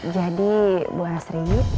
jadi bu asri